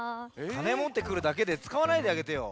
かねもってくるだけでつかわないであげてよ。